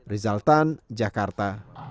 rizal tan jakarta